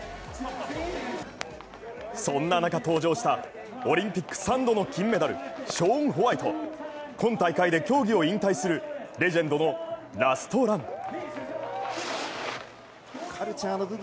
そんな中、登場したオリンピック３度の金メダル、ショーン・ホワイト今大会で競技を引退するレジェンドのラストラン。